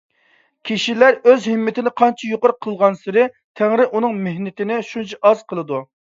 كىشىلەر ئۆز ھىممىتىنى قانچە يۇقىرى قىلغانسېرى، تەڭرى ئۇنىڭ مېھنىتىنى شۇنچە ئاز قىلىدۇ.